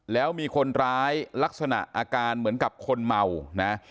แล้วมีคนร้ายลักษณะอาการเหมือนกับคนเมานะ